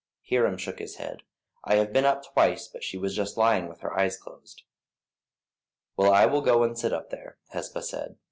Hiram shook his head. "I have been up twice, but she was just lying with her eyes closed." "Well, I will go and sit up there," Hesba said.